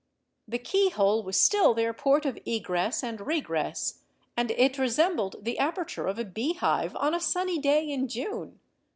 The keyhole was still their port of egress and regress, and it resembled the aperture of a beehive, on a sunny day in June.